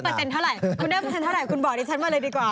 คุณได้เปอร์เซ็นต์เท่าไหร่คุณบอกดิฉันมาเลยดีกว่า